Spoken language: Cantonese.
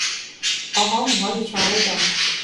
我可唔可以坐呢度？